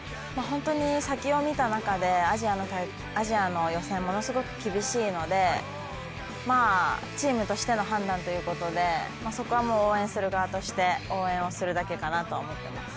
先を見た中で、アジアの予選、ものすごく厳しいので、チームとしての判断ということでそこは応援する側として応援をするだけかなと思っています。